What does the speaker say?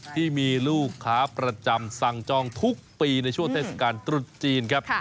ที่มีลูกค้าประจำสั่งจองทุกปีในช่วงเทศกาลตรุษจีนครับ